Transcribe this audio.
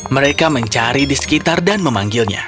mereka mencari di sekitar dan memanggilnya